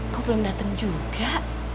kok belum dateng juga